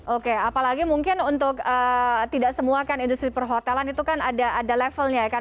oke apalagi mungkin untuk tidak semua kan industri perhotelan itu kan ada levelnya kan